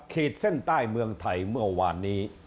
ขีดเส้นใต้เมืองไทยเมื่อวานนี้